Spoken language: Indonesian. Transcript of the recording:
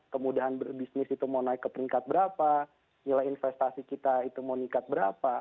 kemudahan berbisnis itu mau naik ke peringkat berapa nilai investasi kita itu mau nikah berapa